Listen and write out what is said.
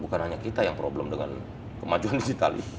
bukan hanya kita yang problem dengan kemajuan digital